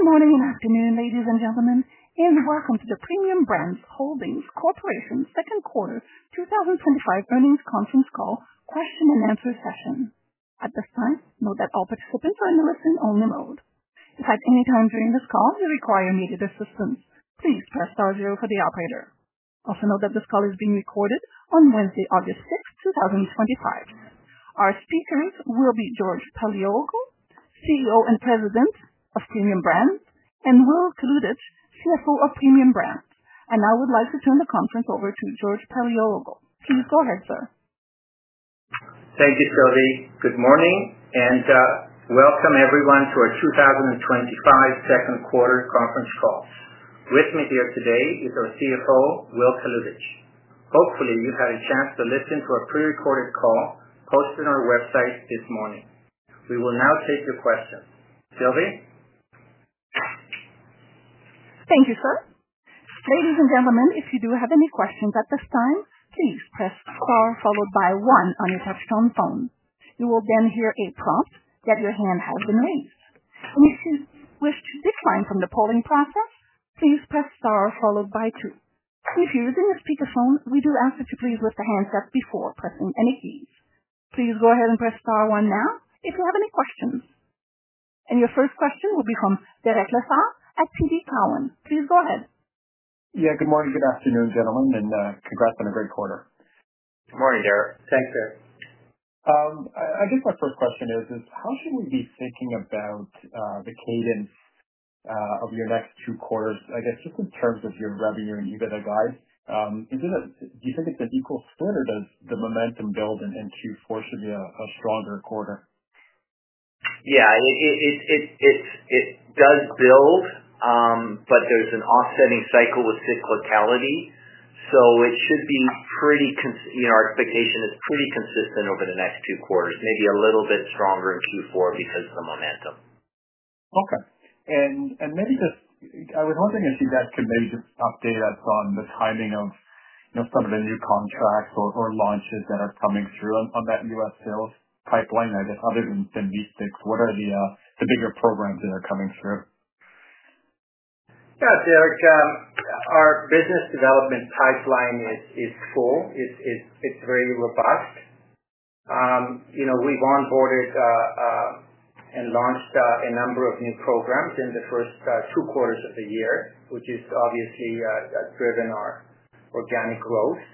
Good morning and afternoon, ladies and gentlemen, and welcome to the Premium Brands Holdings Corporation Second Quarter 2025 Earnings Conference Call within the larger session. At this time, note that all participants are in a listen-only mode. If at any time during this call you require immediate assistance, please press star zero for the operator. Also note that this call is being recorded on Wednesday, August 4, 2025. Our speakers will be George Paleologou, CEO and President of Premium Brands Holdings Corporation, and Will Kalutycz, CFO of Premium Brands Holdings Corporation. I would like to turn the conference over to George Paleologou. Please go ahead, sir. Thank you, Sylvie. Good morning and welcome everyone to our 2025 second quarter conference call. With me here today is our CFO, Will Kalutycz. Hopefully, you've had a chance to listen to a pre-recorded call posted on our website this morning. We will now take your questions, Sylvie. Thank you, sir. Ladies and gentlemen, if you do have any questions at this time, please press star followed by one on your touch-tone phone. You will then hear a prompt: "Get your hand held and raised." With this line from the polling process, please press star followed by two. If you're using a speakerphone, we do ask you to please lift the handset up before pressing any keys. Please go ahead and press star one now if you have any questions. Your first question will be from Derek Lessard at TD Cowen. Please go ahead. Yeah, good morning, good afternoon, gentlemen, and congrats on a great quarter. Morning, Derek. Thanks, sir. I guess my first question is, how should we be thinking about the cadence of your next two quarters, I guess, just in terms of your revenue and EBITDA guide? Do you think it's an equal split, or does the momentum build and shoot forward to be a stronger quarter? Yeah, it does build, but there's an offsetting cycle with cyclicality, so it should be pretty, you know, our expectation is pretty consistent over the next two quarters, maybe a little bit stronger and shoot forward because of the momentum. Okay. I was wondering if you guys could maybe just update us on the timing of some of the new contracts or launches that are coming through on that U.S. sales pipeline? I guess other than the new stick, what are the bigger programs that are coming through? Yeah, Derek, our business development pipeline is full. It's very robust. We've onboarded and launched a number of new programs in the first two quarters of the year, which has obviously driven our organic growth.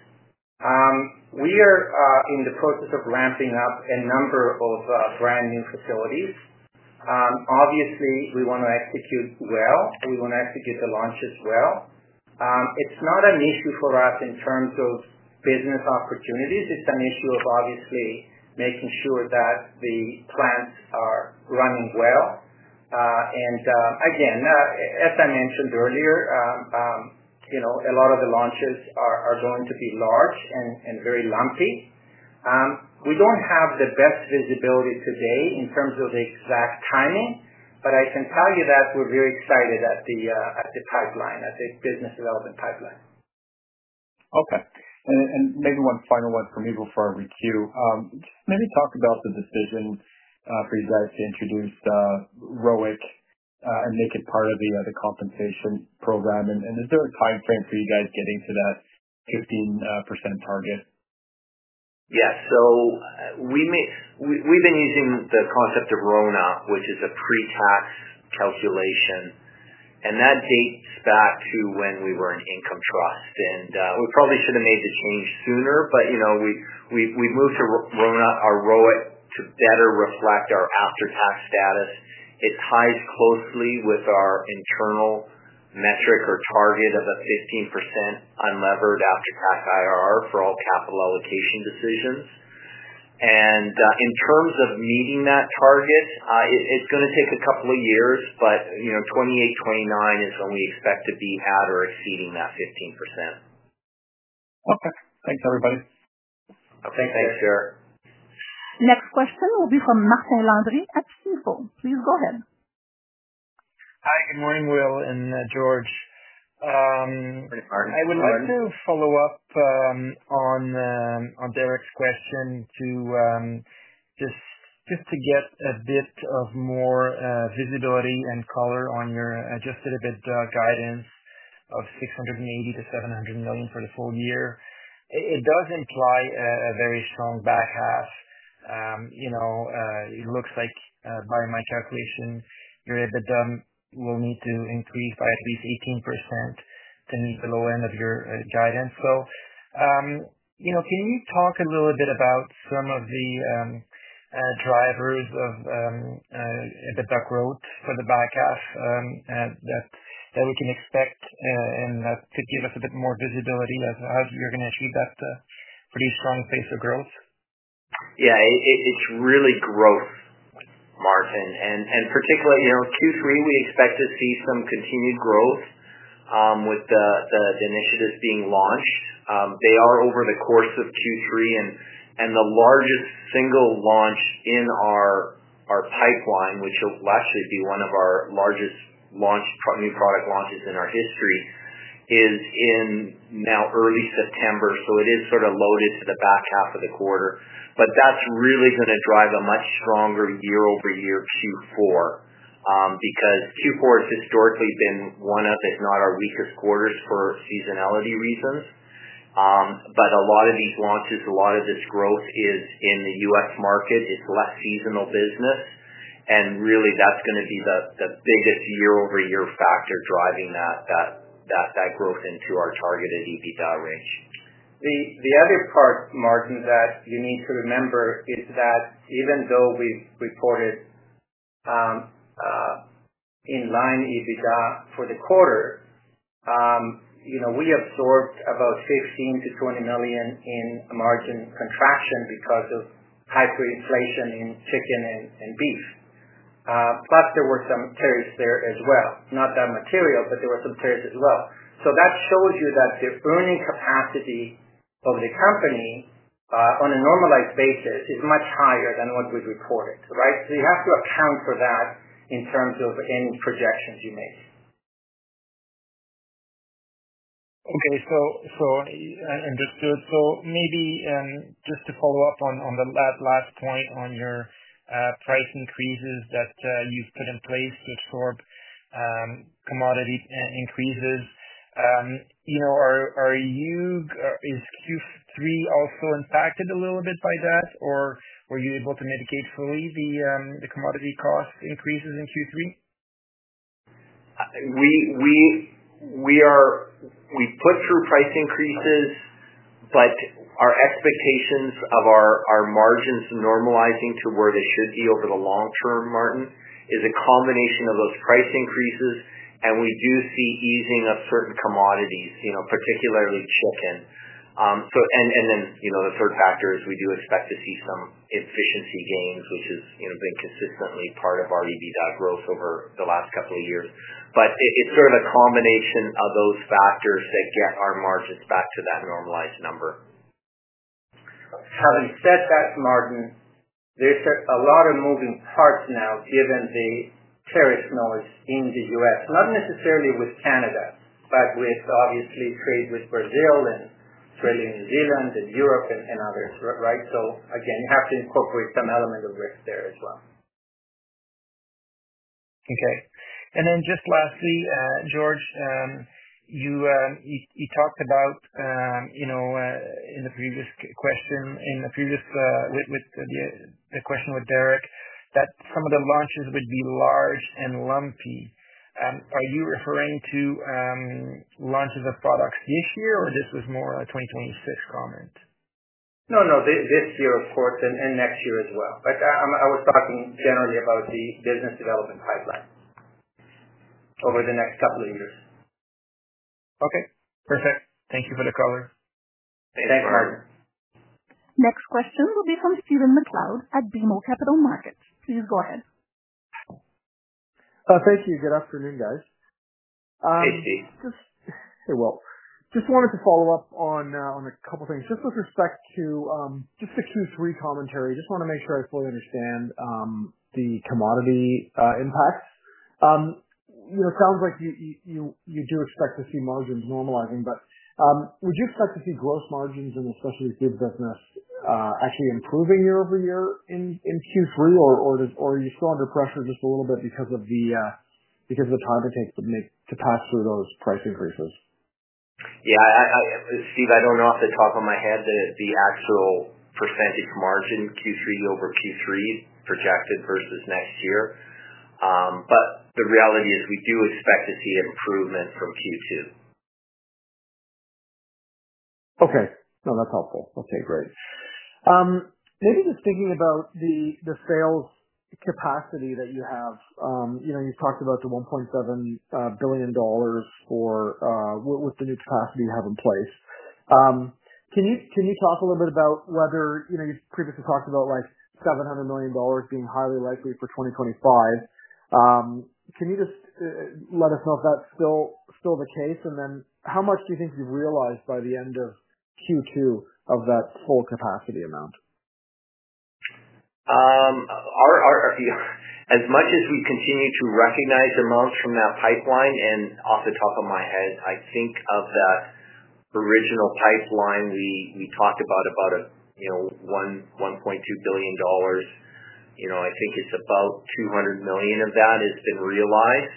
We are in the process of ramping up a number of brand new facilities. Obviously, we want to execute well, and we want to execute the launches well. It's not an issue for us in terms of business opportunities. It's an issue of obviously making sure that the plants are running well. As I mentioned earlier, a lot of the launches are going to be large and very lumpy. We don't have the best visibility today in terms of the exact timing, but I can tell you that we're very excited at the pipeline, at the business development pipeline. Okay. Maybe one final one from me before we queue. Maybe talk about the decision for you guys to introduce the ROIC and make it part of the compensation program. Is there a timeframe for you guys getting to that 15% target? Yeah, we've been using the concept of RONA, which is a pre-tax calculation, and that dates back to when we were an income trust. We probably should have made the change sooner, but we've moved to RONA or ROIC to better reflect our after-tax status. It ties closely with our internal metric or target of a 15% unlevered after-tax IRR for all capital allocation decisions. In terms of meeting that target, it's going to take a couple of years, but 2028-2029 is when we expect to be at or exceeding that 15%. Okay, thanks, everybody. Okay, thanks, Derek. Next question will be from Martin Landry at Stifel. Please go ahead. Hi, good morning, Will and George. I would like to follow up on Derek's question to get a bit more visibility and color on your adjusted EBITDA guidance of 680 million-700 million for the full year. It does imply a very strong back half. It looks like by my calculation, your EBITDA will need to increase by at least 18% to meet the lower end of your guidance. Can you talk a little bit about some of the drivers of the growth for the back half that we can expect to give us a bit more visibility as well? You're going to see that pretty strong pace of growth. Yeah, it's really growth, Martin. Particularly, you know, Q3, we expect to see some continued growth with the initiatives being launched. They are over the course of Q3, and the largest single launch in our pipeline, which will likely be one of our largest new product launches in our history, is in now early September. It is sort of loaded to the back half of the quarter. That's really going to drive a much stronger year-over-year Q4, because Q4 has historically been one of, if not our weakest quarters for seasonality reasons. A lot of these launches, a lot of this growth is in the U.S. market. It's less seasonal business. That's going to be the biggest year-over-year factor driving that growth into our targeted EBITDA rate. The other part, Martin, that you need to remember is that even though we've reported in-line EBITDA for the quarter, you know, we absorbed about 15million-20 million in margin contraction because of type 3 inflation in chicken and beef. There were some tariffs there as well. Not that material, but there were some tariffs as well. That shows you that your earning capacity of the company on a normalized basis is much higher than what we've reported, right? You have to account for that in terms of any projections you make. Okay, I understood. Maybe just to follow up on the last point on your price increases that you've put in place to absorb commodity increases, are Q3 also impacted a little bit by that, or were you able to mitigate fully the commodity cost increases in Q3? We put through price increases, but our expectations of our margins normalizing to where they should be over the long term, Martin, is a combination of those price increases, and we do see easing of certain commodities, particularly chicken. The third factor is we do expect to see some efficiency gains, which has been consistently part of our EBITDA growth over the last couple of years. It is sort of a combination of those factors that get our margins back to that normalized number. As you said, Martin, there's a lot of moving parts now given the tariff noise in the U.S., not necessarily with Canada, but with trade with Brazil and New Zealand and Europe and others, right? You have to incorporate some element of risk there as well. Okay. Lastly, George, you talked about, in the previous question with Derek, that some of the launches would be large and lumpy. Are you referring to launches of products this year, or was this more a 2026 comment? No, this year, of course, and next year as well. I was talking generally about the business development pipeline over the next couple of years. Okay. Perfect. Thank you for the color. Thanks, Martin. Next question will be from Stephen McLeod at BMO Capital Markets. Please go ahead. Thank you. Good afternoon, guys. Hey, Steve. Hey, Will. Just wanted to follow up on a couple of things. With respect to the Q3 commentary, I just want to make sure I fully understand the commodity impacts. It sounds like you do expect to see margins normalizing, but would you expect to see gross margins in the specific give business actually improving year-over-year in Q3, or are you still under pressure just a little bit because of the time it takes to pass through those price increases? Yeah, Steve, I don't know off the top of my head that it's the actual percentage margin Q3 over Q3 projected versus next year. The reality is we do expect to see an improvement from Q2. Okay, that's helpful. Okay, great. Maybe just thinking about the sales capacity that you have. You talked about the 1.7 billion dollars for what's the new capacity you have in place. Can you talk a little bit about whether you previously talked about like CAD 700 million being highly likely for 2025. Can you just let us know if that's still the case, and then how much do you think you've realized by the end of Q2 of that full capacity amount? As much as we continue to recognize amounts from that pipeline, and off the top of my head, I think of that original pipeline we talked about, about a, you know, CAD 1.2 billion. I think it's about 200 million of that has been realized.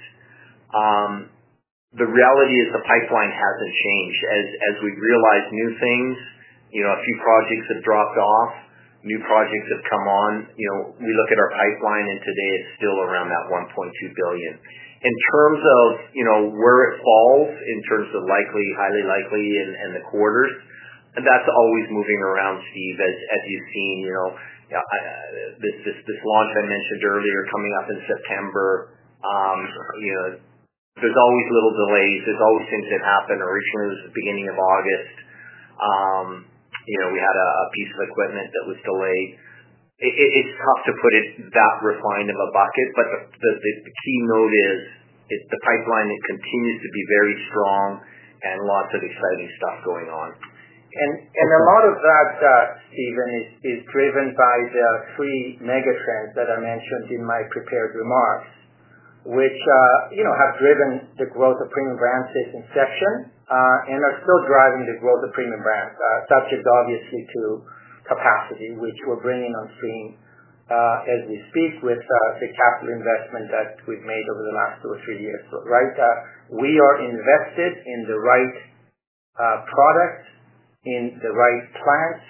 The reality is the pipeline hasn't changed. As we realize new things, a few projects have dropped off, new projects have come on. You look at our pipeline and today it's still around that 1.2 billion. In terms of where it falls in terms of likely, highly likely, and the quarters, that's always moving around, Steve, as you've seen. Yeah, this launch I mentioned earlier coming up in September. There are always little delays. There are always things that happen. I recently was at the beginning of August. We had a piece of equipment that was delayed. It's tough to put it that refined of a bucket, but the key note is the pipeline continues to be very strong and lots of exciting stuff going on. A lot of that, Stephen, is driven by the three megatrends that I mentioned in my prepared remarks, which have driven the growth of Premium Brands Holdings Corporation since inception and are still driving the growth of Premium Brands. That is obviously to capacity, which we're bringing on stream as we speak with the capital investment that we've made over the last two or three years. We are invested in the right product, in the right plants,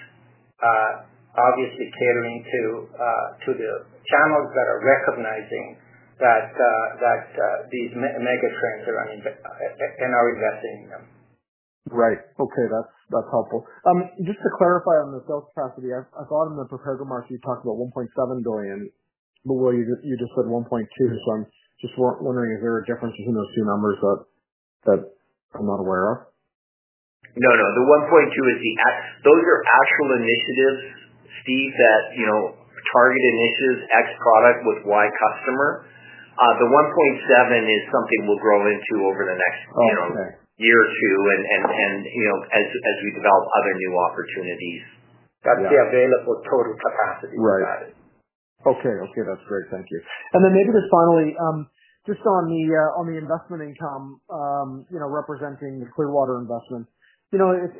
obviously tailoring to the channels that are recognizing that these megatrends are running and are investing in them. Right. Okay, that's helpful. Just to clarify on the sales capacity, I thought in the prepared remarks you talked about 1.7 billion, but you just said 1.2 billion. I'm just wondering, is there a difference between those two numbers that I'm not aware of? No, no. The 1.2 million is the app. Those are actual initiatives, Steve, that, you know, target initiatives, X product with Y customer. The 1.7 million is something we'll grow into over the next, you know, year or two, as we develop other new opportunities. That's the available total capacity. Right. Got it. Okay, that's great. Thank you. Maybe just finally, on the investment income, you know, representing the Clearwater investment,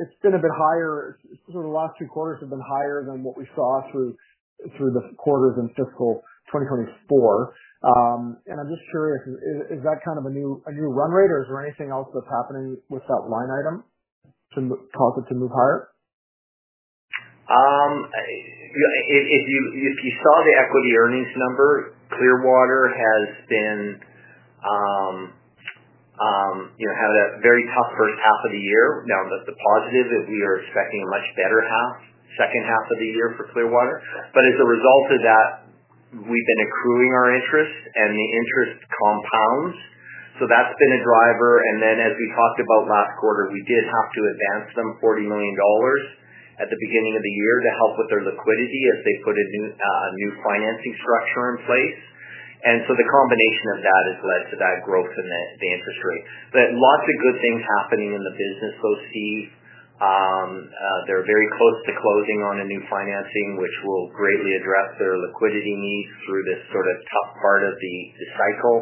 it's been a bit higher. The last two quarters have been higher than what we saw through the quarters in fiscal 2024. I'm just curious, is that kind of a new run rate, or is there anything else that's happening with that line item to cause it to move higher? If you saw the equity earnings number, Clearwater has been having a very tough first half of the year. Now, that's a positive if you're expecting a much better second half of the year for Clearwater. As a result of that, we've been accruing our interest and the interest compounds. That's been a driver. As we talked about last quarter, we did have to advance them 40 million dollars at the beginning of the year to help with their liquidity as they put a new financing structure in place. The combination of that has led to that growth in the interest rate. Lots of good things are happening in the business, though, Steve. They're very close to closing on a new financing, which will greatly address their liquidity needs through this sort of tough part of the cycle.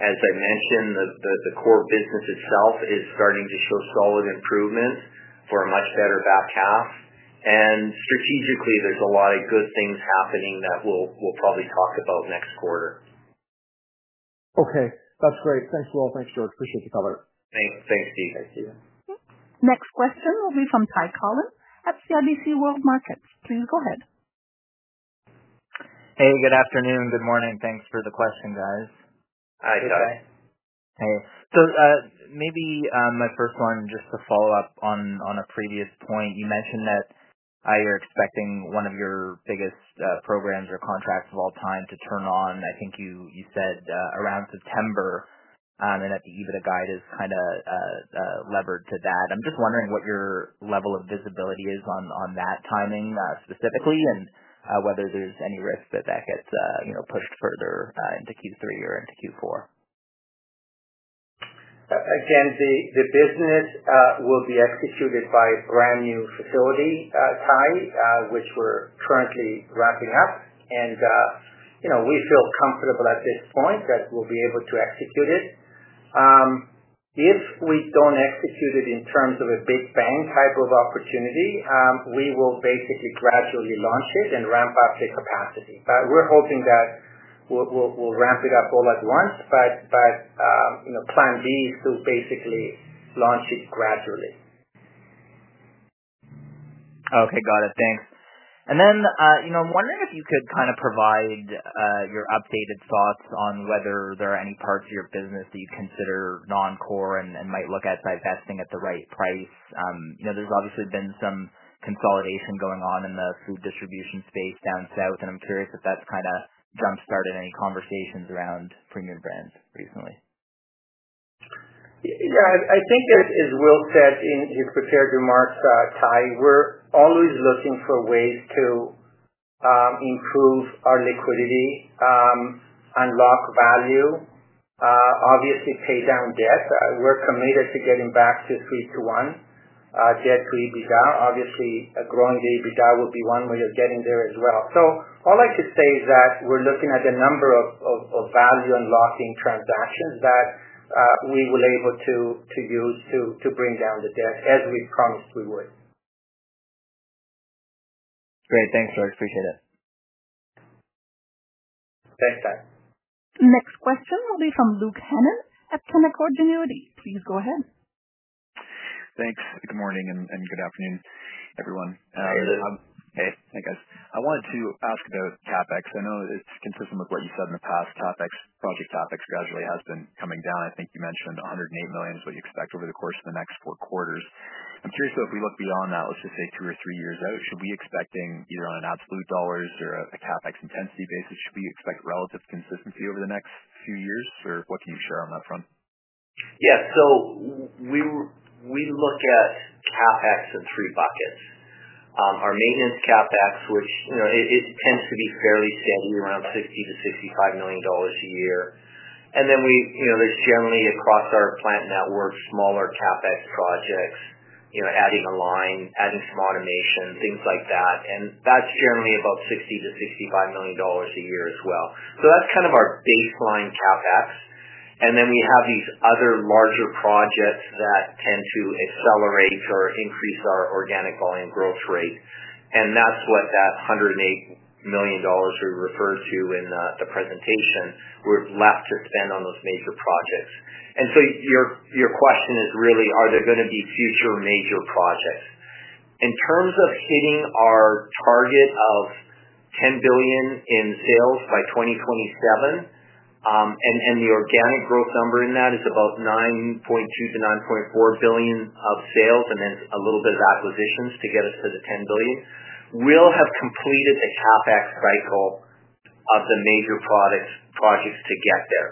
As I mentioned, the core business itself is starting to show solid improvement for a much better back half. Strategically, there's a lot of good things happening that we'll probably talk about next quarter. Okay, that's great. Thanks, Will. Thanks, George. Appreciate your color. Thanks, Steve. Thanks, Steve. Next question will be from Ty Collin at CIBC World Markets. Please go ahead. Hey, good afternoon, good morning. Thanks for the question, guys. Hi, Ty. Maybe my first one, just to follow up on a previous point. You mentioned that you're expecting one of your biggest programs or contracts of all time to turn on. I think you said around September, and that the EBITDA guide is kind of levered to that. I'm just wondering what your level of visibility is on that timing specifically, and whether there's any risk that that gets pushed further into Q3 or into Q4. Again, the business will be executed by a brand new facility, Ty, which we're currently ramping up. We feel comfortable at this point that we'll be able to execute it. If we don't execute it in terms of a big bang type of opportunity, we will basically gradually launch it and ramp up the capacity. We're hoping that we'll ramp it up all at once, but Plan B is to basically launch it gradually. Okay, got it. Thanks. I'm wondering if you could kind of provide your updated thoughts on whether there are any parts of your business that you consider non-core and might look at divesting at the right price. There's obviously been some consolidation going on in the food distribution space down south, and I'm curious if that's kind of jumpstarted any conversations around Premium Brands recently. Yeah, I think, as Will said in his prepared remarks, Ty, we're always looking for ways to improve our liquidity, unlock value, obviously pay down debts. We're committed to getting back to 3:1 debt to EBITDA. Obviously, growing the EBITDA will be one way of getting there as well. All I can say is that we're looking at the number of value unlocking transactions that we will be able to use to bring down the debt as we've come forward. Great. Thanks, George. Appreciate it. Thanks, Ty. Next question will be from Luke Hennan at Pinnacle Ingenuity. Please go ahead. Thanks. Good morning and good afternoon, everyone. Hey, Luke. Hey, guys. I wanted to ask about CAPEX. I know it's been for some important stuff in the past. CAPEX, probably CAPEX gradually has been coming down. I think you mentioned 108 million, but you expect over the course of the next four quarters. I'm curious, though, if we look beyond that, let's just say two or three years out, should we be expecting either on an absolute dollars or a CAPEX intensity basis, should we expect relative consistency over the next few years, or what can you share on that front? Yeah, so we look at CAPEX in three buckets. Our maintenance CAPEX, which tends to be fairly steady, around 60 million-65 million dollars a year. There is generally, across our plant network, smaller CAPEX projects, like adding a line, adding some automation, things like that. That's generally about 60 million-65 million dollars a year as well, so that's kind of our baseline CAPEX. We have these other larger projects that tend to accelerate or increase our organic volume growth rate, and that's what that 108 million dollars we referred to in the presentation is—what we're left to spend on those major projects. Your question is really, are there going to be future major projects? In terms of fitting our target of 10 billion in sales by 2027, the organic growth number in that is about 9.2 billion-9.4 billion of sales, and then a little bit of acquisitions to get us to the 10 billion. We'll have completed a CAPEX cycle of the major projects to get there.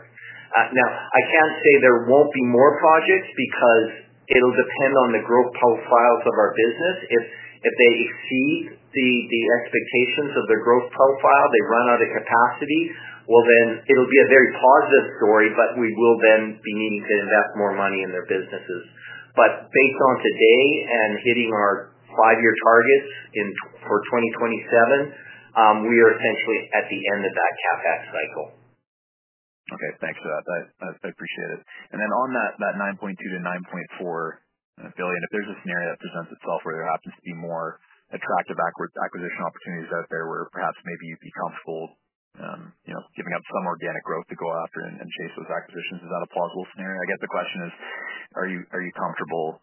I can't say there won't be more projects because it'll depend on the growth profiles of our business. If they exceed the expectations of their growth profile, they run out of capacity, it will be a very positive story, but we will then be needing to invest more money in their businesses. Based on today and hitting our five-year targets for 2027, we are essentially at the end of that CAPEX cycle. Okay, thanks for that. I appreciate it. On that 9.2 billion-9.4 billion, if there's a scenario that presents itself where there happens to be more attractive acquisition opportunities that are there, where perhaps maybe you'd be comfortable giving up some organic growth to go after and chase those acquisitions, is that a plausible scenario? I guess the question is, are you comfortable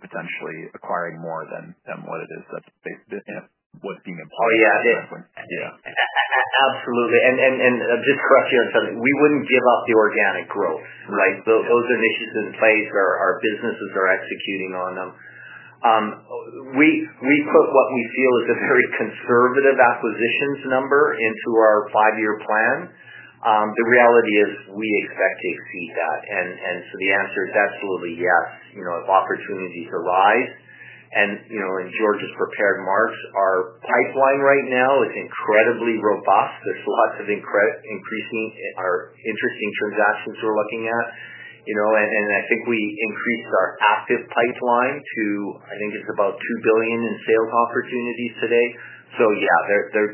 potentially acquiring more than what it is that's being applied? Oh, yeah, yeah. Absolutely. I'll just correct you on something. We wouldn't give up the organic growth, right? Those initiatives in place, our businesses are executing on them. We put what we feel is a very conservative acquisitions number into our five-year plan. The reality is we expect to exceed that. The answer is absolutely yes. If opportunities arise, and as George has prepared marks, our pipeline right now is incredibly robust. There's lots of interesting transactions we're looking at. I think we increased our active pipeline to, I think it's about 2 billion in sales opportunities today. Yeah,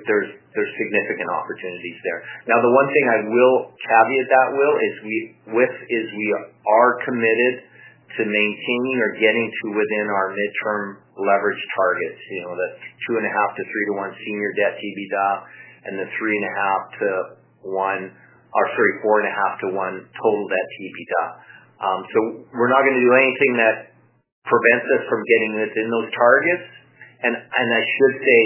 there's significant opportunities there. Now, the one thing I will caveat that, Will, is we are committed to maintaining or getting to within our midterm leverage targets, the 2.5 to 3 to 1 senior debt to EBITDA and the 4.5 to 1 total debt to EBITDA. We're not going to do anything that prevents us from getting within those targets. I should say,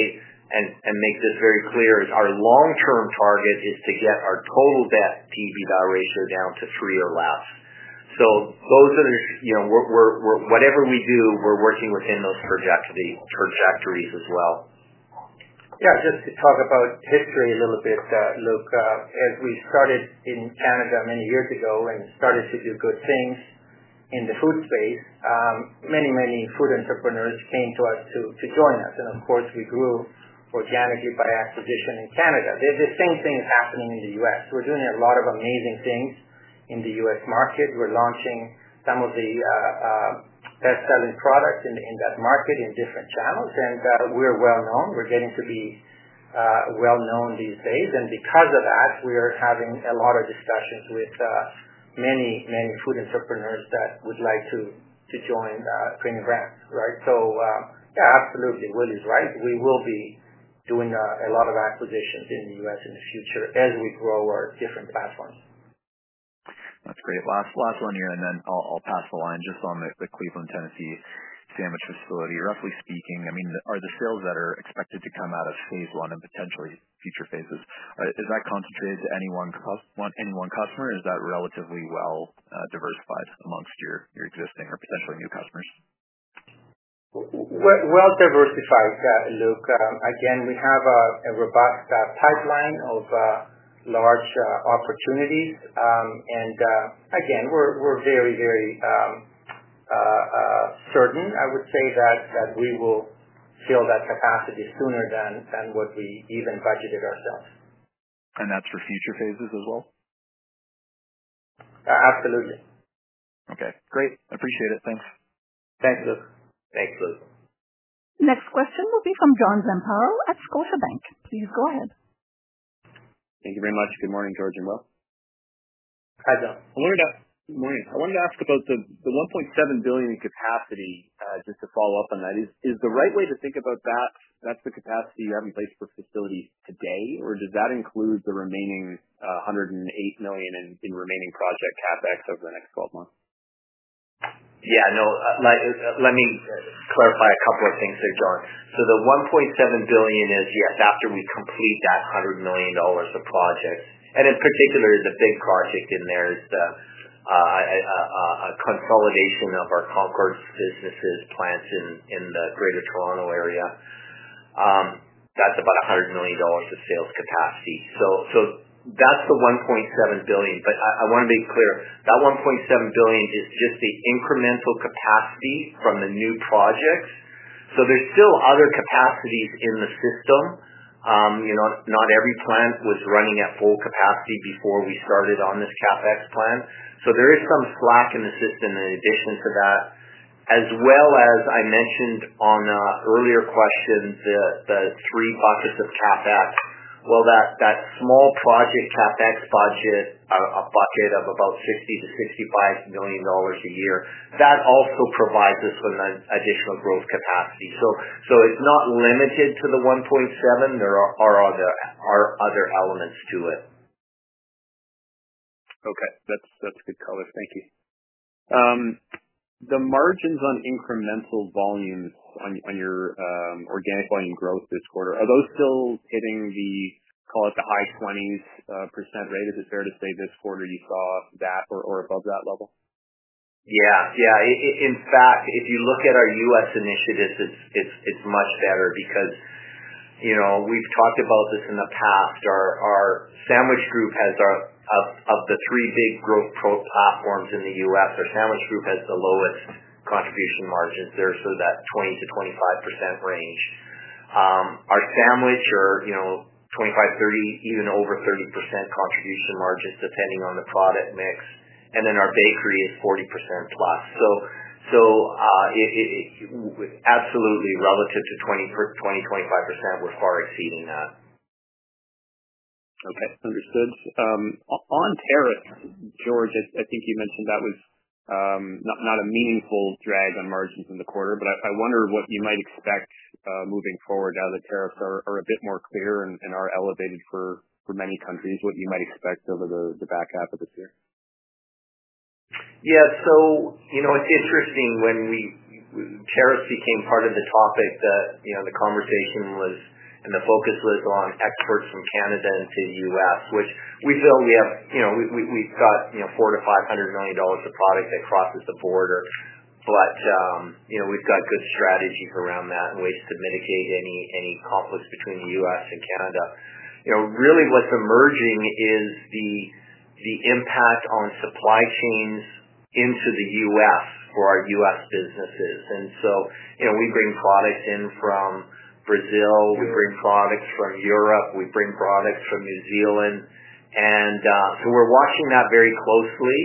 and make this very clear, our long-term target is to get our total debt to EBITDA ratio down to 3 or less. Whatever we do, we're working within those trajectories as well. Yeah, just to talk about history a little bit, Luke, as we started in Canada many years ago and started to do good things in the food space, many, many food entrepreneurs came to us to join us. Of course, we grew organically by acquisition in Canada. The same thing is happening in the U.S. We're doing a lot of amazing things in the U.S. market. We're launching some of the best-selling products in that market in different channels. We're well known. We're getting pretty well known these days. Because of that, we're having a lot of discussions with many, many food entrepreneurs that would like to join Premium Brands, right? Yeah, absolutely, Will is right. We will be doing a lot of acquisitions in the U.S. in the future as we grow our different platforms. That's great. Last one here, and then I'll pass the line, just on the Cleveland, Tennessee sandwich facility. Roughly speaking, are the sales that are expected to come out of Cleveland and potentially future phases concentrated in one customer, or is that relatively well diversified amongst your existing or potential new customers? We have a robust pipeline of large opportunities, Luke. We are very, very certain, I would say, that we will fill that capacity sooner than what we even budgeted ourselves. Is that for future phases as well? Absolutely. Okay. Great. Appreciate it. Thanks. Thanks, Luke. Thanks, Luke. Next question will be from John Zamparo at Scotiabank. Please go ahead. Thank you very much. Good morning, George and Will. Hi, John. I wanted to ask about the 1.7 billion in capacity, just to follow up on that. Is the right way to think about that, that's the capacity you have in place for facilities today, or does that include the remaining 108 million in remaining project CapEx over the next 12 months? Yeah, no, let me clarify a couple of things there, John. The 1.7 billion is, yes, after we complete that 100 million dollars of projects. In particular, the big project in there is the consolidation of our Concourse businesses, plants in the Greater Toronto area. That's about 100 million dollars of sales capacity. That's the 1.7 billion. I want to be clear, that 1.7 billion is just the incremental capacity from the new projects. There's still other capacities in the system. Not every plant was running at full capacity before we started on this CAPEX plan. There is some slack in the system in addition to that. As I mentioned on earlier questions, the three buckets of CAPEX, that small project CAPEX budget, a bucket of about 60 million-65 million dollars a year, also provides us with an additional growth capacity. It's not limited to the 1.7 billion. There are other elements to it. Okay. That's a good color. Thank you. The margins on incremental volumes on your organic volume growth this quarter, are those still hitting the, call it, the high 20% rate? Is it fair to say this quarter you saw that or above that level? In fact, if you look at our U.S. initiatives, it's much better because you know we've talked about this in the past. Our sandwich group has, out of the three big growth platforms in the U.S., our sandwich group has the lowest contribution margins there, so that 20%-25% range. Our sandwich are 25%, 30%, even over 30% contribution margins depending on the product mix. Our bakery is 40%+. Absolutely, relative to 20%, 25%, we're far exceeding that. Okay, understood. On tariffs, George, I think you mentioned that was not a meaningful drag on margins in the quarter, but I wonder what you might expect moving forward now that tariffs are a bit more clear and are elevated for many countries, what you might expect over the back half of the year. Yeah, so you know it's interesting when tariffs became part of the topic, the conversation was and the focus was on exports from Canada into the U.S., which we feel we have, you know, we've got 400 million-500 million dollars of products that crosses the border. We've got good strategies around that and ways to mitigate any conflicts between the U.S. and Canada. Really, what's emerging is the impact on supply chains into the U.S. for our U.S. businesses. We bring products in from Brazil, we bring products from Europe, we bring products from New Zealand, and we're watching that very closely.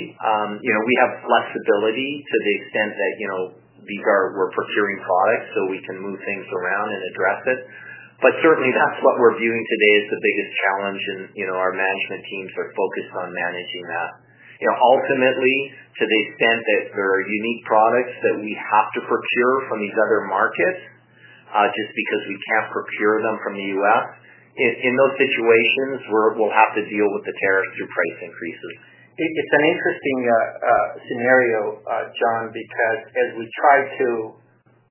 We have flexibility to the extent that we're procuring products, so we can move things around and address it. Certainly, that's what we're viewing today as the biggest challenge, and our management teams are focused on managing that. Ultimately, to the extent that there are unique products that we have to procure from these other markets just because we can't procure them from the U.S., in those situations, we'll have to deal with the tariffs through price increases. It's an interesting scenario, John, because as we try to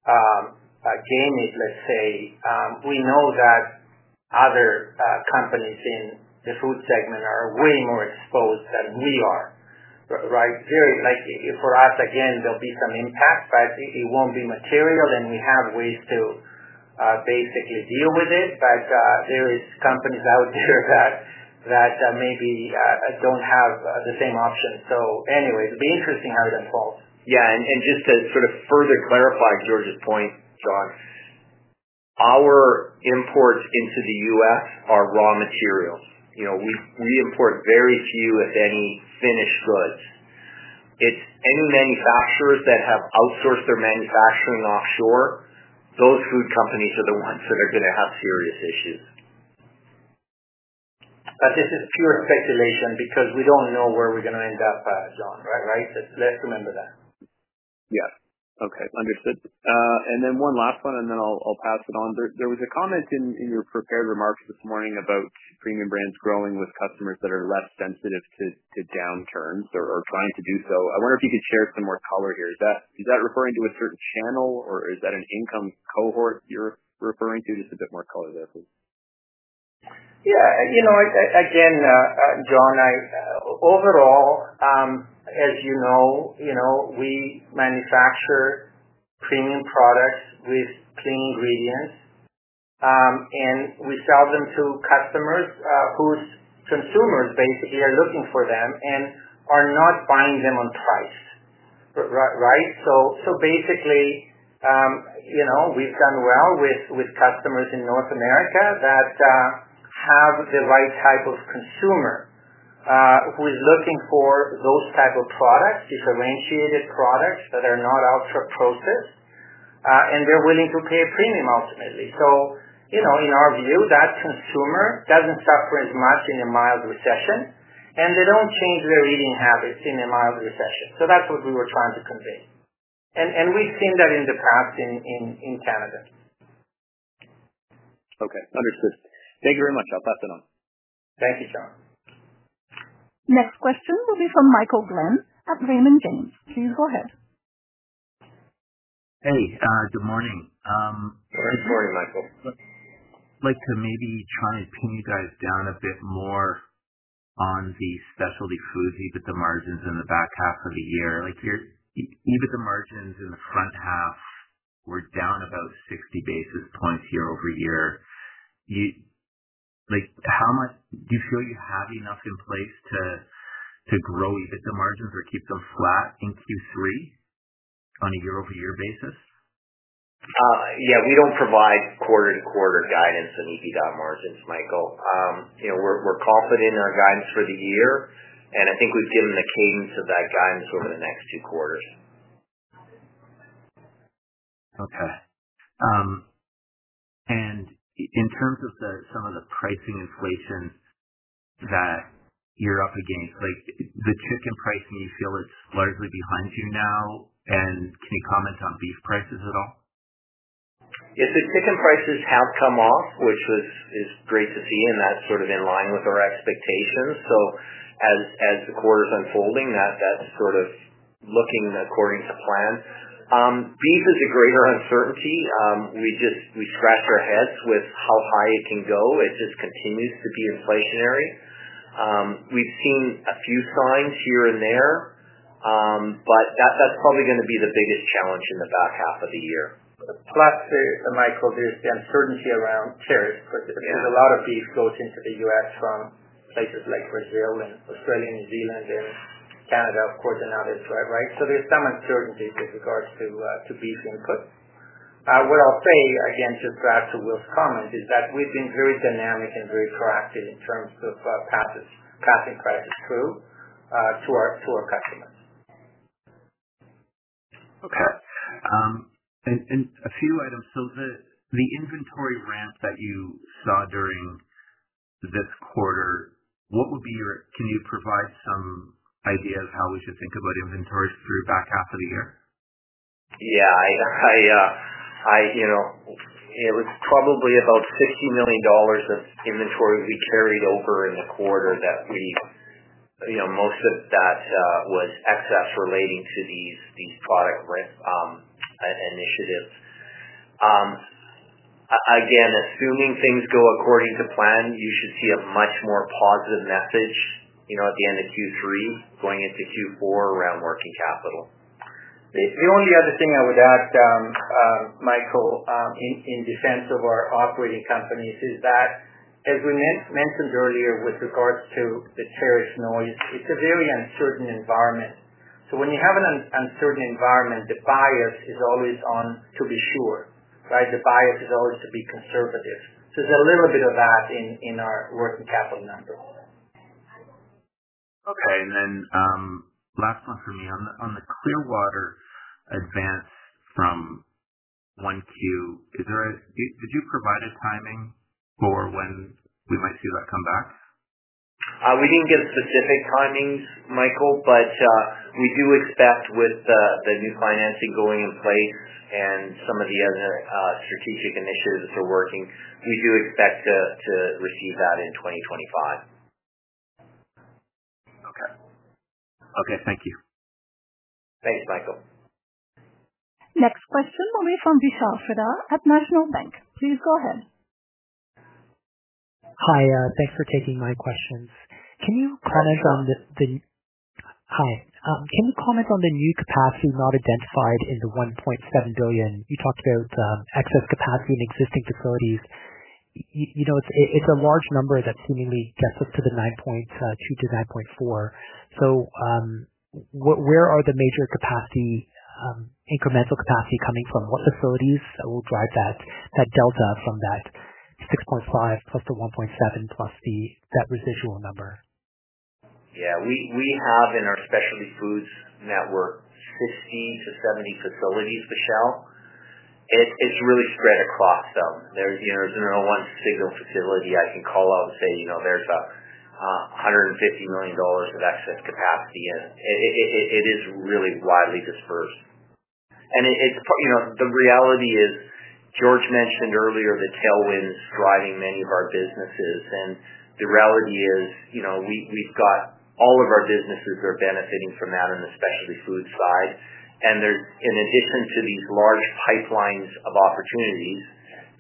gain this, let's say, we know that other companies in the food segment are way more exposed than we are, right? If we're asked again, there'll be some impact, but it won't be material, and we have ways to basically deal with it. There are companies out there that maybe don't have the same options. Anyway, it'll be interesting how that falls. Yeah, just to further clarify George's point, John, our imports into the U.S. are raw material. You know we import very few, if any, finished goods. It's any manufacturers that have outsourced their manufacturing offshore, those food companies are the ones that are going to have serious issues. This is pure speculation because we don't know where we're going to end up, John, right? Let's remember that. Yes. Okay, understood. One last one, then I'll pass it on. There was a comment in your prepared remarks this morning about Premium Brands growing with customers that are less sensitive to downturns or trying to do so. I wonder if you could share some more color here. Is that referring to a certain channel, or is that an income cohort you're referring to? Just a bit more color there, please. Yeah, you know, John, overall, as you know, we manufacture premium products with clean ingredients, and we sell them to customers whose consumers basically are looking for them and are not buying them on price, right? Basically, we've done well with customers in North America that have the right type of consumer who is looking for those types of products, differentiated products that are not ultra-processed, and they're willing to pay a premium ultimately. In our view, that consumer doesn't suffer as much in a mild recession, and they don't change their eating habits in a mild recession. That's what we were trying to convey. We've seen that in the past in Canada. Okay, understood. Thank you very much. I'll pass it on. Thank you, John. Next question will be from Michael Glen at Raymond James. Please go ahead. Hey, good morning. Good morning, Michael. I'd like to maybe try and pin you guys down a bit more on the specialty foods EBITDA margins in the back half of the year. Your EBITDA margins in the front half were down about 60 basis points year-over-year. How much do you feel you have enough in place to grow EBITDA margins or keep them flat in Q3 on a year-over-year basis? Yeah, we don't provide quarter-to-quarter guidance on EBITDA margins, Michael. You know we're confident in our guidance for the year, and I think we've given the cadence of that guidance over the next two quarters. Okay. In terms of some of the pricing inflation that you're up against, like the chicken pricing, you feel it's largely behind you now. Can you comment on beef prices at all? If the chicken prices have come off, which is great to see, and that's sort of in line with our expectations. As the quarter's unfolding, that's sort of looking according to plan. Beef is a greater uncertainty. We just scratch our heads with how high it can go. It just continues to be inflationary. We've seen a few signs here and there, but that's probably going to be the biggest challenge in the back half of the year. Plus, Michael, there's the uncertainty around tariffs. A lot of beef goes into the U.S. from places like Brazil and Australia, New Zealand, and Canada, of course, and others, right? There's some uncertainty with regards to beef inputs. What I'll say, again, just back to Will's comment, is that we've been very dynamic and very proactive in terms of passing prices through to our customers. Okay. A few items. The inventory ramp that you saw during this quarter, what would be your, can you provide some idea of how we should think about inventories through the back half of the year? Yeah, it was probably about 50 million dollars of inventory we carried over in the quarter that we, you know, most of that was excess relating to these product risk initiatives. Again, assuming things go according to plan, you should see a much more positive message at the end of Q3 going into Q4 around working capital. The only other thing I would add, Michael, in defense of our operating companies, is that, as we mentioned earlier, with regards to the tariff noise, it's a very uncertain environment. When you have an uncertain environment, the bias is always on to be sure, right? The bias is always to be conservative. There's a little bit of that in our working capital number. Okay. Last one from me. On the Clearwater advance from 1Q, did you provide a timing for when we might see that come back? We didn't give specific timings, Michael, but we do expect with the new financing going in place and some of the other strategic initiatives that are working, we do expect to receive that in 2025. Okay, thank you. Thanks, Michael. Next question will be from Vishal Shreedhar at National Bank. Please go ahead. Hi, thanks for taking my questions. Can you comment on this? How can you comment on the new capacity not identified in the 1.7 billion? You talked about excess capacity in existing facilities. It's a large number that seemingly gets up to the 9.2 billion-9.4 billion. Where are the major capacity, incremental capacity coming from? What facilities will drive that delta from that 6.5+ the 1.7 billion+ that residual number? Yeah, we have in our specialty foods network 60-70 facilities, Vishal. It's really spread across them. There's the one Signal facility I can call out and say, you know, there's a 150 million dollars of excess capacity. It is really widely dispersed. The reality is, George mentioned earlier the tailwinds driving many of our businesses. The reality is, you know, we've got all of our businesses that are benefiting from that on the specialty food side. In addition to these large pipelines of opportunities,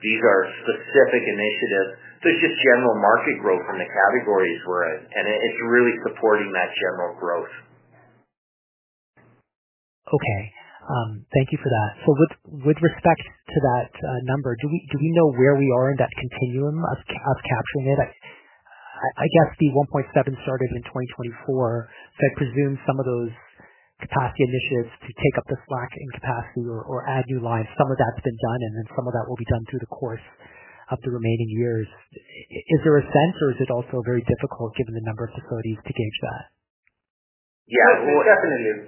these are specific initiatives. There's just general market growth in the categories we're in, and it's really supporting that general growth. Thank you for that. With respect to that number, do we know where we are in that continuum of capturing it? I guess the 1.7 million started in 2024. I presume some of those capacity initiatives to take up the slack in capacity or add new lines, some of that's been done, and some of that will be done through the course of the remaining years. Is there a sense, or is it also very difficult given the number of facilities to gauge that? Yeah, it definitely is.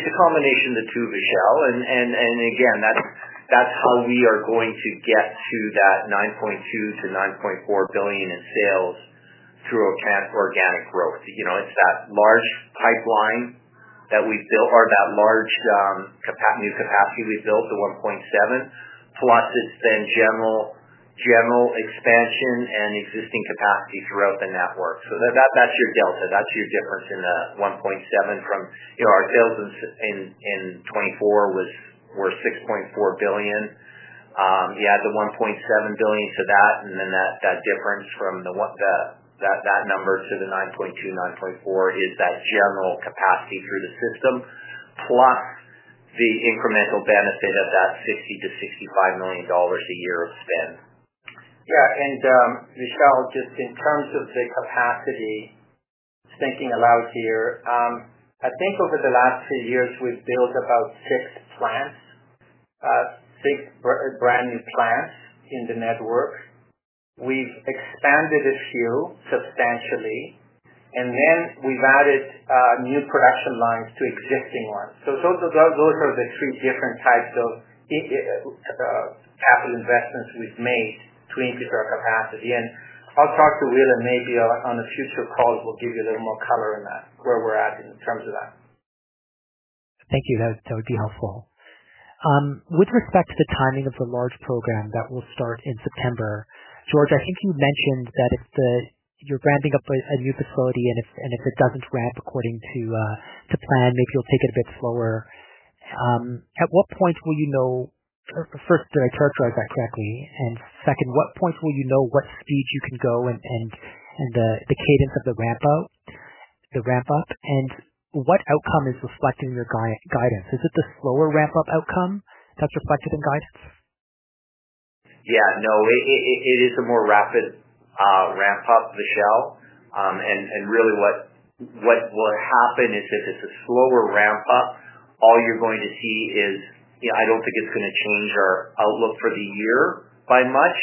It's a combination of the two, Vishal. Again, that's how we are going to get to that 9.2 billion-9.4 billion in sales through organic growth. It's that large pipeline that we built or that large capacity we built at 1.7+ billion it's then general expansion and existing capacity throughout the network. That's your delta. That's your difference in the 1.7 billion from, you know, our sales in 2024 was 6.4 billion. Add the 1.7 billion to that, and then that difference from that number to the 9.2 billion-9.4 billion is that general capacity through the system plus the incremental benefit of that 60 million-65 million dollars a year of spend. Yeah, Vishal, just in terms of the capacity, speaking aloud here, I think over the last few years, we've built about six plants, six brand new plants in the network. We've expanded a few substantially, and we've added new production lines to existing ones. Those are the three different types of capital investments we've made to increase our capacity. I'll talk to Will and maybe on a future call, we'll give you a little more color on that, where we're at in terms of that. Thank you. That was totally helpful. With respect to the timing of the large program that will start in September, George, I think you mentioned that you're ramping up a new facility, and if it doesn't ramp according to plan, maybe you'll take it a bit slower. At what point will you know, first, did I characterize that correctly? At what point will you know what speed you can go and the cadence of the ramp-up? What outcome is reflected in your guidance? Is it the slower ramp-up outcome that's reflected in guidance? Yeah, no, it is a more rapid ramp-up, Vishal. What will happen is if it's a slower ramp-up, all you're going to see is, I don't think it's going to change our outlook for the year by much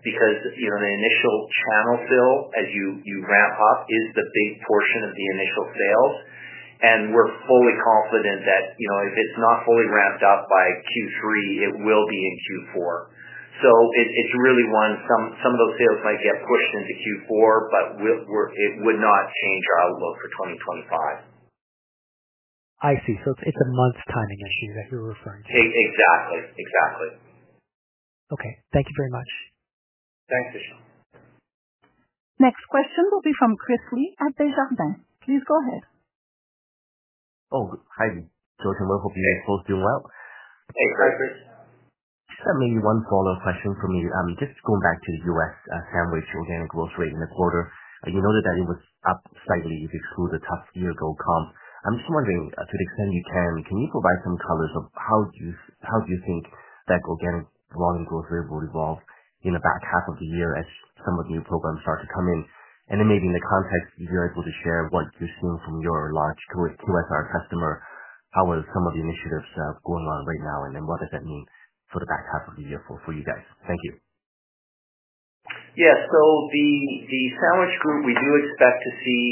because the initial channel fill, as you ramp up, is the big portion of the initial sales. We're fully confident that if it's not fully ramped up by Q3, it will be in Q4. It's really when some of those sales might get pushed into Q4, but it would not change our outlook for 2025. I see. It's a month's timing, I see that you're referring to. Exactly. Exactly. Okay, thank you very much. Thanks, Vishal. Next question will be from Chris Lee at Desjardins. Please go ahead. Oh, hi, George and Will. Hope you both doing well. I'm good, good. I just have maybe one follow-up question for you. Just going back to the U.S. sandwich organic growth rate in the quarter, you noted that it was up slightly if you exclude the tough year-ago comp. I'm just wondering, to the extent you can, can you provide some color on how you think that organic volume growth rate will evolve in the back half of the year as some of the new programs start to come in? In the context, if you're able to share what you're seeing from your large U.S. customer, how are some of the initiatives going on right now, and what does that mean for the back half of the year for you guys? Thank you. Yeah, the sandwich group, we do expect to see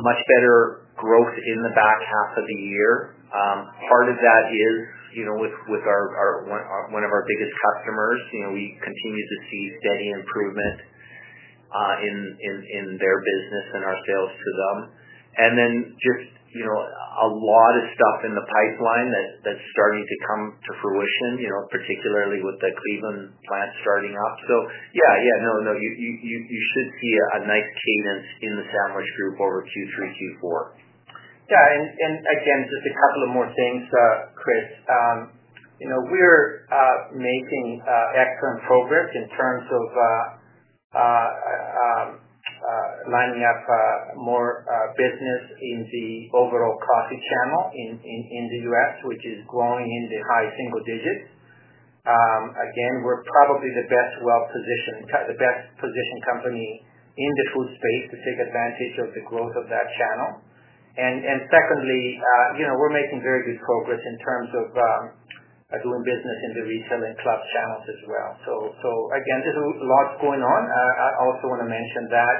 much better growth in the back half of the year. Part of that is, you know, with one of our biggest customers, we continue to see steady improvement in their business and our sales to them. There is a lot of stuff in the pipeline that's starting to come to fruition, particularly with the Cleveland, Tennessee plant starting up. You should see a nice cadence in the sandwich group over Q3, Q4. Yeah, just a couple of more things, Chris. We're making excellent progress in terms of lining up more business in the overall coffee channel in the U.S., which is growing in the high single digits. We're probably the best positioned company in the food space to take advantage of the growth of that channel. Secondly, we're making very good progress in terms of doing business in the retail and plus channels as well. There's a lot going on. I also want to mention that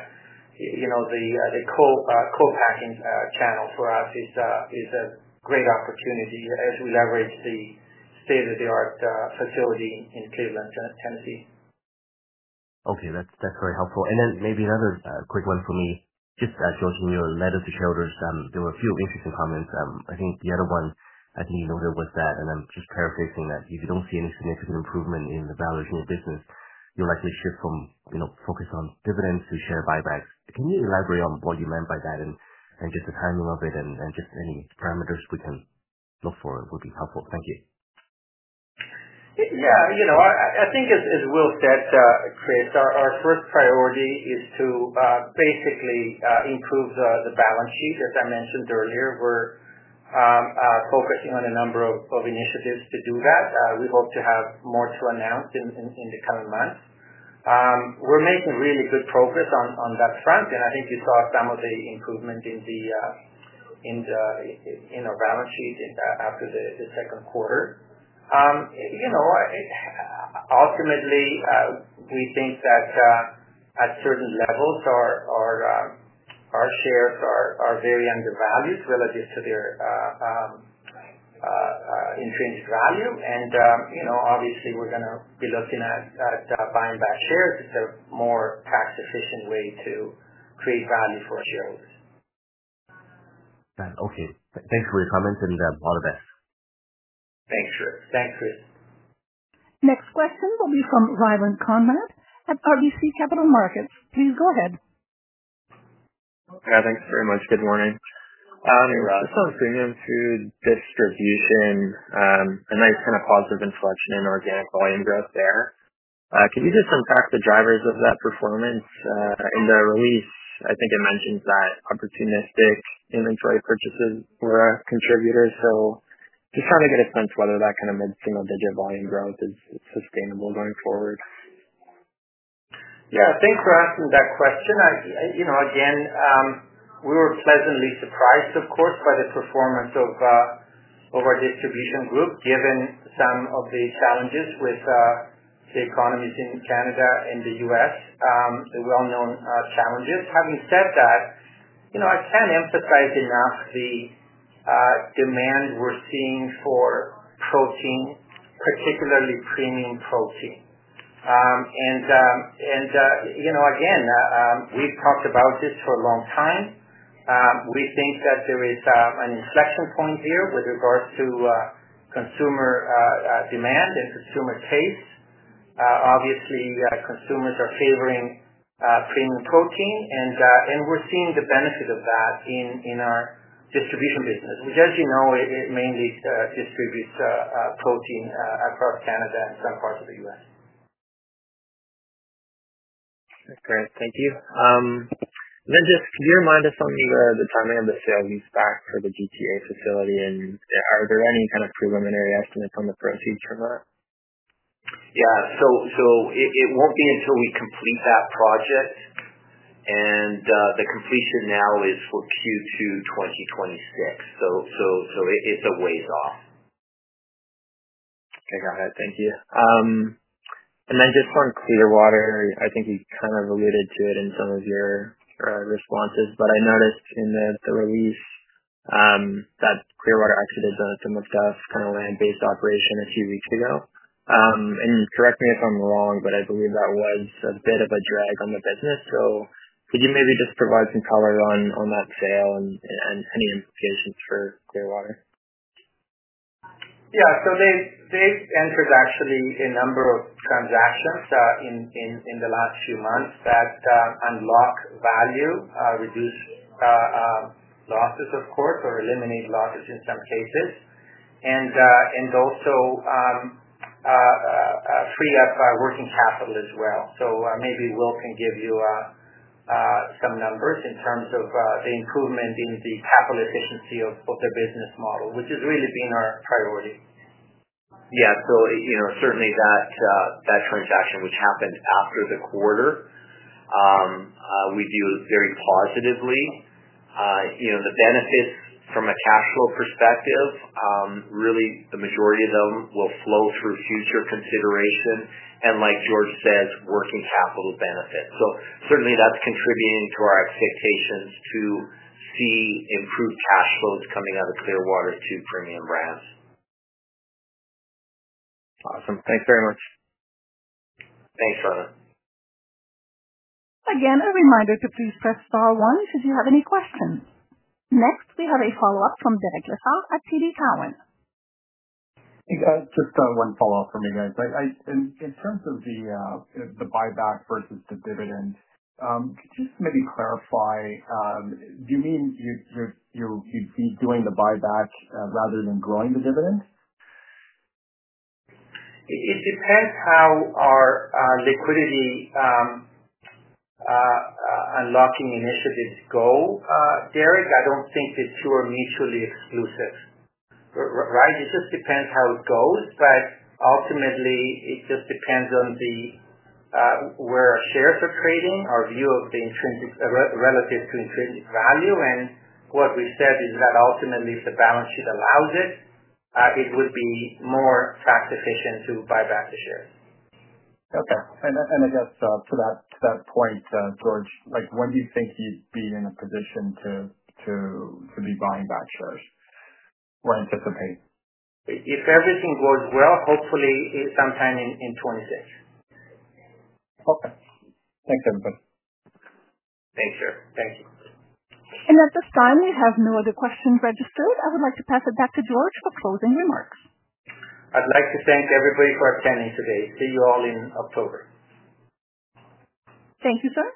the co-packing channel for us is a great opportunity as we leverage the state-of-the-art facility in Cleveland, Tennessee. Okay, that's very helpful. Maybe another quick one for me. Just as we were led as the shareholders, there were a few interesting comments. I think the other one I think you noted was that, and I'm just paraphrasing that, if you don't see any significant improvement in the valuation of the business, you'll likely shift from focus on dividends to share buybacks. Can you elaborate on what you meant by that and just the timing of it and just any parameters we can look for would be helpful? Thank you. Yeah, you know, I think as Will said, Chris, our first priority is to basically improve the balance sheet. As I mentioned earlier, we're focusing on a number of initiatives to do that. We hope to have more to announce in the coming months. We're making really good progress on that front, and I think you saw some of the improvement in our balance sheet after the second quarter. Ultimately, we think that at certain levels, our shares are very undervalued relative to their infinite value. You know, obviously, we're going to be looking at buying back shares as a more tax-efficient way to create value for sure. Okay, thanks for your comments and all the best. Thanks, Chris. Thanks, Chris. Next question will be from Ryland Conrad at RBC Capital Markets. Please go ahead. Yeah, thanks very much. Good morning. I'm closing into distribution, a nice kind of positive inflection in organic volume growth there. Can you just unpack the drivers of that performance? In the release, I think it mentions that opportunistic inventory purchases were contributors. Just how to get a sense of whether that kind of mid-term volume growth is sustainable going forward. Yeah, thanks for asking that question. We were pleasantly surprised, of course, by the performance of our distribution group, given some of the challenges with the economies in Canada and the U.S., the well-known challenges. Having said that, I can't emphasize enough the demand we're seeing for protein, particularly premium protein. You know, we've talked about this for a long time. We think that there is an inflection point here with regards to consumer demand and consumer tastes. Obviously, consumers are favoring premium protein, and we're seeing the benefit of that in our distribution business, which, as you know, mainly distributes protein across Canada and parts of the U.S. That's great. Thank you. Then just do you remind us on the timing of the sale you start for the GTA facility? Are there any kind of preliminary estimates on the proceeds from that? Yeah, it won't be until we complete that project. The completion now is for Q2 2026, so it's a ways off. I got it. Thank you. Just on Clearwater, I think you kind of alluded to it in some of your responses, but I noticed in the release that Clearwater actually did some of the kind of land-based operation a few weeks ago. Correct me if I'm wrong, but I believe that was a bit of a drag on the business. Could you maybe just provide some color on that sale and on any of the cases for Clearwater? Yeah, they've entered actually a number of transactions in the last few months that unlock value, reduce losses, or eliminate losses in some cases, and also free up working capital as well. Maybe Will can give you some numbers in terms of the improvement in the capital efficiency of the business model, which has really been our priority. Yeah, certainly that transaction, which happened after the quarter, we view it very positively. The benefits from a cash flow perspective, really the majority of them will flow through future consideration. Like George says, working capital benefits. Certainly that's contributing to our expectations to see improved cash flows coming out of Clearwater to Premium Brands. Awesome. Thanks very much. Thanks, brother. Again, a reminder to please press star one if you have any questions. Next, we have a follow-up from Derek Lessard at TD Cowen. Just one follow-up from you guys. In terms of the buyback versus the dividend, just maybe clarify, do you mean you're doing the buyback rather than growing the dividend? It depends how our liquidity unlocking initiatives go, Derek. I don't think the two are mutually exclusive, right? It just depends how it goes. Ultimately, it just depends on where our shares are trading, our view of the relative to intrinsic value. What we said is that ultimately, if the balance sheet allows it, it would be more tax-efficient to buy back the shares. Okay. To that point, George, when do you think you'd be in a position to be buying back shares or anticipate? If everything goes well, hopefully sometime in 2026. Okay, thanks, everybody. Thank you. Thank you. At this time, we have no other questions registered. I would like to pass it back to George for closing remarks. I'd like to thank everybody for attending today. See you all in October. Thank you, sir.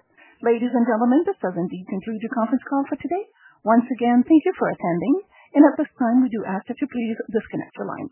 Ladies and gentlemen, this does indeed conclude the conference call for today. Once again, thank you for attending. At this time, we do ask that you please disconnect your lines.